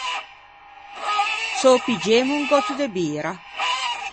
S’ô piggemmo un gòtto de bira?